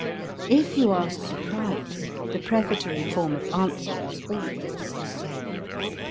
If you asked the price, the prefatory form of answer was always the same.